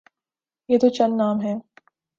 یہ تو چند نام ہیں۔